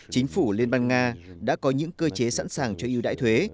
chính phủ liên bang nga đã có những cơ chế sẵn sàng cho ưu đại thuế